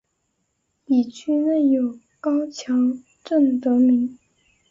以区内有高桥镇得名。